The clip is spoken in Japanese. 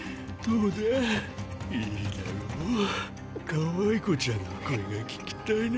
かわいこちゃんの声が聞きたいな。